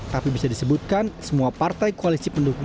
tapi bisa disebutkan semua partai koalisi pendukung